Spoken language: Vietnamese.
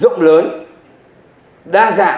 rụng lớn đa dạng các bản hàng